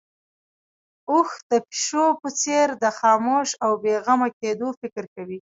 اوښ د پيشو په څېر د خاموش او بې غمه کېدو فکر کوي.